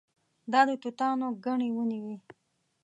دا د توتانو ګڼې ونې وې.